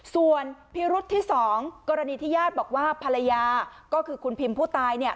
ส่วนพิรุษที่๒กรณีที่ญาติบอกว่าภรรยาก็คือคุณพิมผู้ตายเนี่ย